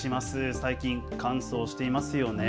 最近、乾燥していますよね。